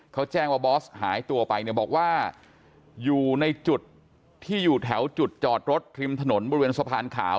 เขาแจ้งว่าบอสหายตัวไปเนี่ยบอกว่าอยู่ในจุดที่อยู่แถวจุดจอดรถริมถนนบริเวณสะพานขาว